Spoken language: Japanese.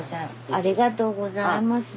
ありがとうございます。